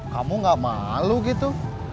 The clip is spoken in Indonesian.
kamu gak malu gitu